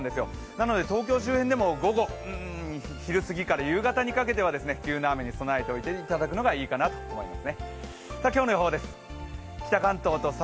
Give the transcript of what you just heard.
なので東京周辺でも午後、昼過ぎから夕方にかけては急な雨に備えておいていただくのがいいかなと思います。